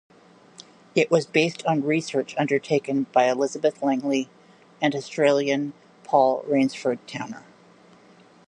It was based on research undertaken by Elizabeth Langley and Australian Paul Rainsford Towner.